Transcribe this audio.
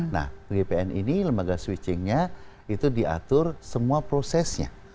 nah gpn ini lembaga switchingnya itu diatur semua prosesnya